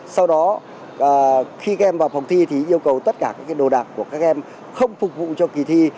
sau đó khi các em vào phòng thi thì yêu cầu tất cả các đồ đạc của các em không phục vụ cho kỳ thi